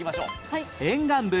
沿岸部